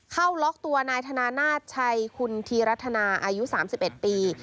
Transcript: เข้าล็อกตัวนายธนานาชัยคุณธีรัฐนาอายุ๓๑ปี